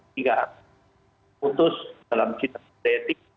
jika putus dalam kita kode etik